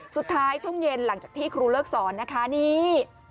ช่วงเย็นหลังจากที่ครูเลิกสอนนะคะนี่